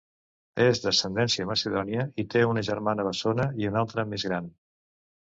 És d'ascendència macedònia i té una germana bessona i una altra més gran.